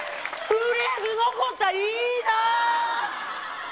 フレーズ残った、いいな。